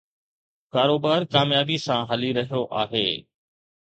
ڪاروبار ڪاميابي سان هلي رهيو آهي